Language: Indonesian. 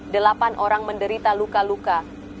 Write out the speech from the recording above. delapan orang menderita luka luka